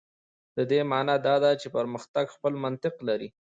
د دې معنا دا ده چې پرمختګ خپل منطق لري.